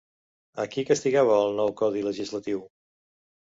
A qui castigava el nou codi legislatiu?